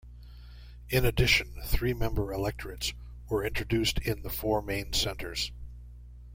In addition, three-member electorates were introduced in the four main centres.